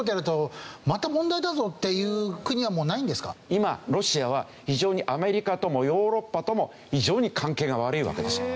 今ロシアは非常にアメリカともヨーロッパとも非常に関係が悪いわけです。